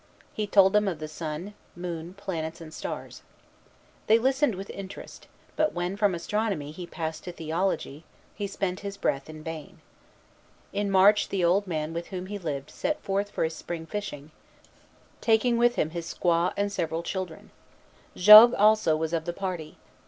He told them of the sun, moon, planets, and stars. They listened with interest; but when from astronomy he passed to theology, he spent his breath in vain. In March, the old man with whom he lived set forth for his spring fishing, taking with him his squaw, and several children. Jogues also was of the party.